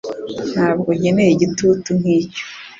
Ntabwo nkeneye igitutu nkicyo